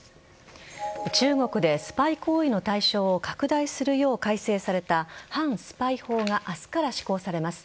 中国でスパイ行為の対象を拡大するよう改正された反スパイ法が明日から施行されます。